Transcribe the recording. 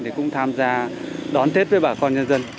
thì cũng tham gia đón tết với bà con nhân dân